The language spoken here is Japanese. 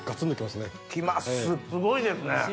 すごいですね。